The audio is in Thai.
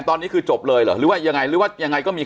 ตอนนี้คือจบเลยเหรอหรือว่ายังไงหรือว่ายังไงก็มี